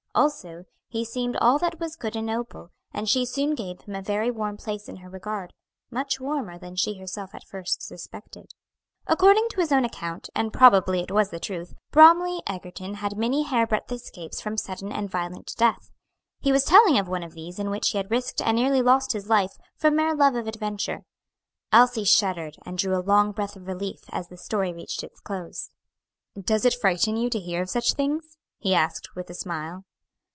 Also, he seemed all that was good and noble, and she soon gave him a very warm place in her regard; much warmer than she herself at first suspected. According to his own account and probably it was the truth Bromly Egerton had had many hair breadth escapes from sudden and violent death. He was telling of one of these in which he had risked and nearly lost his life from mere love of adventure. Elsie shuddered, and drew a long breath of relief, as the story reached its close. "Does it frighten you to hear of such things?" he asked, with a smile.